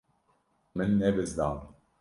Min nebizdand.